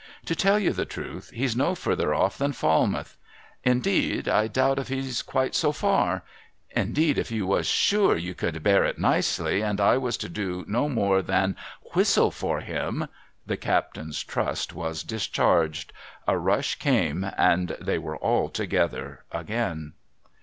To tell you the truth, he's no further off than Falmouth. Indeed, I doubt if he's quite so fur. Indeed, if you was sure you could bear it nicely, and I was to do no more than whistle for him ' The captain's trust was discharged. A rush came, and they were all together again.